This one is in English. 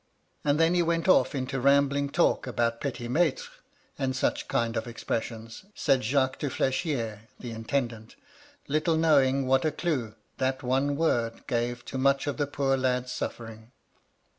And then he went ofi^ into rambling talk about petit maitres, and' such kind of expressions, said Jacques to Fl^chier, the intendant, little knowing what a clue that one word gave to much of the poor lad's suflTering.